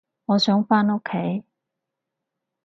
我想返屋企